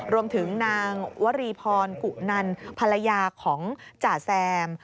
รวมถึงนางวรีพรกุนันภรรยาของจ่าแซม